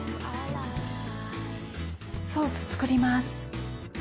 ソース作ります。